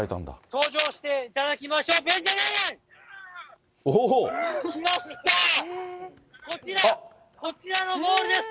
登場していただきましょう。来ました、こちら、こちらのボールです。